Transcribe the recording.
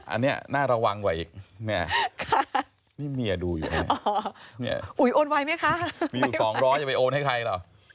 อันนี้น่าระวังกว่าอีกเนี่ยนี่เมียดูอยู่เนี่ยอุ๋ยโอนไวไหมคะมีอยู่สองร้อยจะไปโอนให้ใครเหรอ